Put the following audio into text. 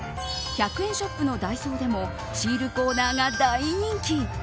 １００円ショップのダイソーでもシールコーナーが大人気。